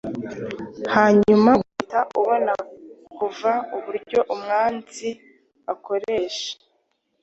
hanyuma ugahita ubona vuba uburyo umwanzi akoresha